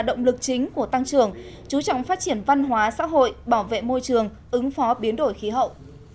động lực chính của tăng trưởng chú trọng phát triển văn hóa xã hội bảo vệ môi trường ứng phó biến đổi khí hậu